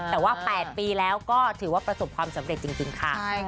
แต่ว่า๘ปีแล้วก็ถือว่าประสบความสำเร็จจริงค่ะ